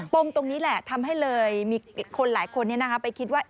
ปมตรงนี้แหละทำให้เลยมีคนหลายคนเนี่ยนะคะไปคิดว่า